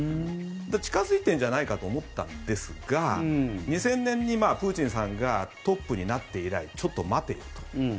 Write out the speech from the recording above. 近付いているんじゃないかと思ったんですが２０００年にプーチンさんがトップになって以来ちょっと待てよと。